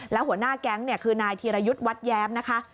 แล้วหัวหน้าแก๊งคือนายธีรยุทธ์วัดแย้มนะคะ